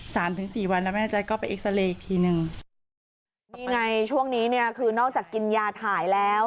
ถึงสี่วันแล้วแม่แจ๊กก็ไปเอ็กซาเรย์อีกทีหนึ่งนี่ไงช่วงนี้เนี่ยคือนอกจากกินยาถ่ายแล้ว